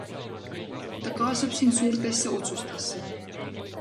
Ta kaasab sind suurtesse otsustesse.